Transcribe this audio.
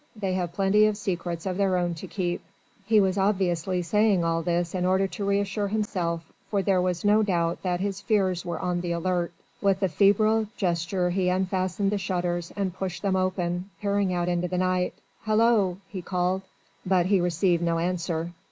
They have plenty of secrets of their own to keep." He was obviously saying all this in order to reassure himself, for there was no doubt that his fears were on the alert. With a febrile gesture he unfastened the shutters, and pushed them open, peering out into the night. "Hallo!" he called. But he received no answer.